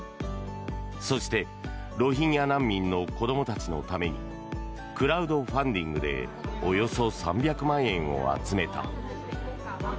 そして、ロヒンギャ難民の子どもたちのためにクラウドファンディングでおよそ３００万円を集めた。